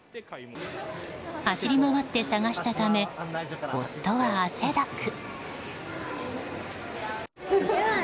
走り回って捜したため夫は汗だく。